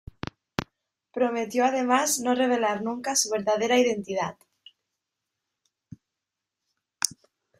Prometió además no revelar nunca su verdadera identidad.